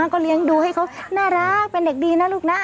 ก็เลี้ยงดูให้เขาน่ารักเป็นเด็กดีนะลูกนะ